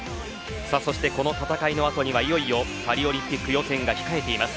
そして、この戦いの後にはいよいよパリオリンピック予選が控えています。